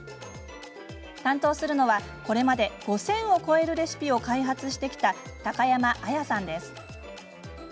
担当するのはこれまで５０００を超えるレシピを開発してきた高山彩さんです。